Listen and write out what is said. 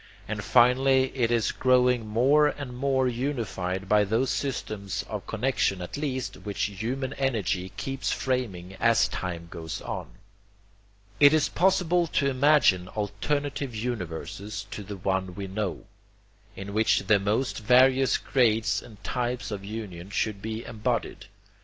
And finally it is growing more and more unified by those systems of connexion at least which human energy keeps framing as time goes on. It is possible to imagine alternative universes to the one we know, in which the most various grades and types of union should be embodied.